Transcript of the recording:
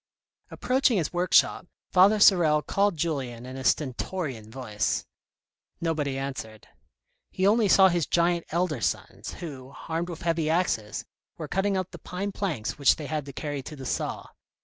Approaching his workshop, Father Sorel called Julien in his stentorian voice ; nobody answered. He only saw his giant elder sons, who, armed with heavy axes, were cutting up the pine planks which they had to carry to the saw.